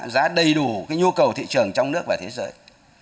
giá đầy đủ nhu cầu thị trường trong nước và thế giới